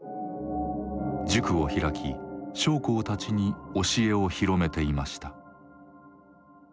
塾を開き将校たちに教えを広めていました。